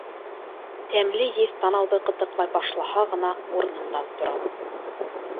Тәмле еҫ танауҙы ҡытыҡлай башлаһа ғына урынымдан торам.